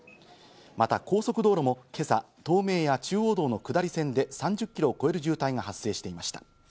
また高速道路も今朝、東名や中央道の下り線で３０キロを超える渋滞が発生していました。